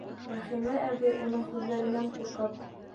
Рәхимә әбей уның һүҙҙәренән ҡурҡып: